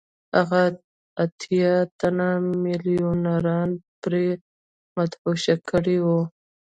هغه اتیا تنه میلیونران پرې مدهوشه کړي وو